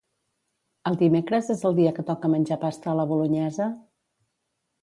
El dimecres és el dia que toca menjar pasta a la bolonyesa?